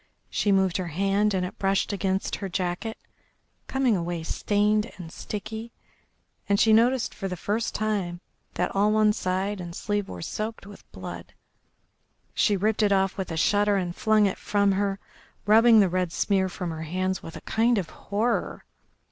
She moved her hand and it brushed against her jacket, coming away stained and sticky, and she noticed for the first time that all one side and sleeve were soaked with blood. She ripped it off with a shudder and flung it from her, rubbing the red smear from her hands with a kind of horror.